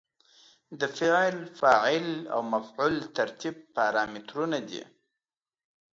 د فعل، فاعل او مفعول ترتیب پارامترونه دي.